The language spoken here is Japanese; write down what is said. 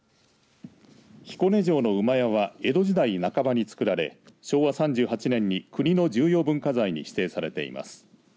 彦根城の馬屋は江戸時代半ばに造られ昭和３８年に国の重要文化財に指定されています。